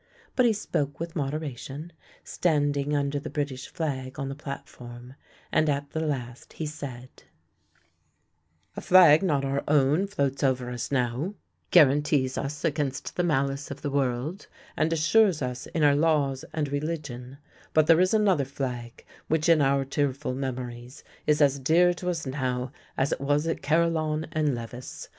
But he spoke with mode ration, standing under the British Flag on the plat form, and at the last he said :" A flag not our own floats over us now ; guarantees 36 THE LANE THAT HAD NO TURNING us against the malice of the world and assures us in our laws and religion; but there is another flag which in our tearful memories is as dear to us now as it was at Caril lon and Levis.